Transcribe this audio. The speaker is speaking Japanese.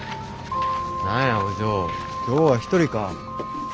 何やお嬢今日は一人か。